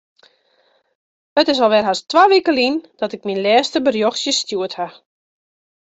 It is alwer hast twa wike lyn dat ik myn lêste berjochtsje stjoerd haw.